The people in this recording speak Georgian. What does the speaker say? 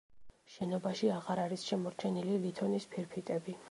შენობაში აღარ არის შემორჩენილი ლითონის ფირფიტები.